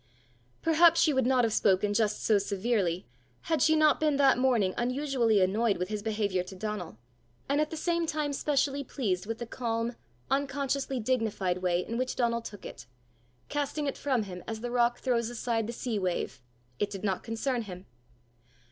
Perhaps she would not have spoken just so severely, had she not been that morning unusually annoyed with his behaviour to Donal, and at the same time specially pleased with the calm, unconsciously dignified way in which Donal took it, casting it from him as the rock throws aside the sea wave: it did not concern him!